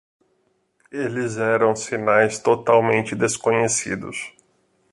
Eles eram sinais totalmente desconhecidos.